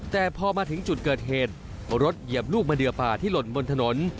แต่พอมาถึงจุดเกิดเหตุรถเหยียบลูกมะเดือป่าที่หล่นบนถนน